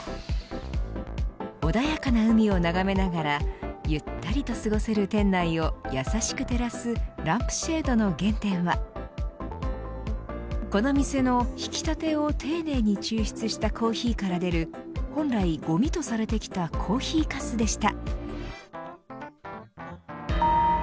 穏やかな海を眺めながらゆったりと過ごせる店内を優しく照らすランプシェードの原点はこの店のひき立てを丁寧に抽出したコーヒーから出る本来ごみとされてきたコーヒーかすでした。